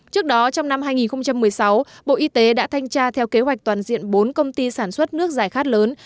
trước đó trong năm hai nghìn một mươi sáu bộ y tế đã thanh tra theo kế hoạch toàn diện bốn công ty sản xuất nước giải khát lớn